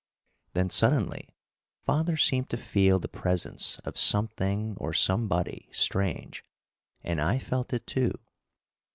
Then suddenly father seemed to feel the presence of something or somebody strange, and I felt it, too.